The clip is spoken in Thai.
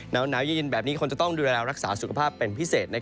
น้ำน้าวใยเย็นแบบนี้จะต้องรักษาสุขภาพเป็นพิเศษ